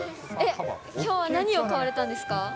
きょうは何を買われたんですか？